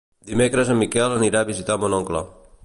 Dimecres en Miquel anirà a visitar mon oncle.